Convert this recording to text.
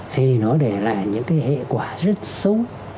thì nó để lại những cái hệ quả rất xấu